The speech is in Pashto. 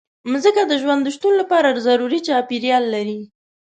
مځکه د ژوند د شتون لپاره ضروري چاپېریال لري.